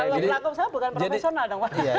kalau pelaku usaha bukan profesional dong